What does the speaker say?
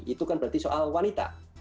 itu kan berarti soal wanita